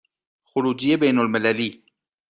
خروجی بین المللی